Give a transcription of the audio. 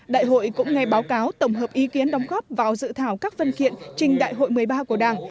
đại hội cũng nghe báo cáo tổng hợp ý kiến đóng góp vào dự thảo các phân kiện trình đại hội một mươi ba của đảng